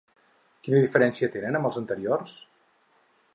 Quina diferència tenen amb els anteriors?